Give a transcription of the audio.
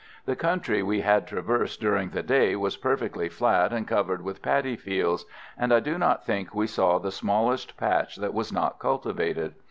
The country we had traversed during the day was perfectly flat and covered with paddy fields, and I do not think we saw the smallest patch that was not cultivated.